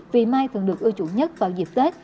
vì mai thường được ưu chủ nhất vào dịp tết